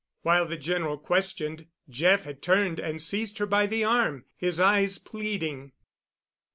While the General questioned, Jeff had turned and seized her by the arm, his eyes pleading.